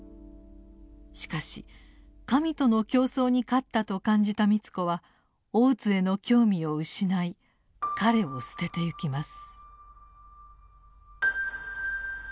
しかし神との競争に勝ったと感じた美津子は大津への興味を失い彼を棄ててゆきます。